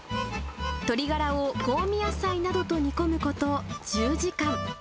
鶏ガラを香味野菜などと煮込むこと１０時間。